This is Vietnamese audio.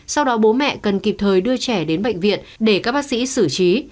sau đó bố mẹ cần kịp thời đưa trẻ đến bệnh viện để các bác sĩ xử trí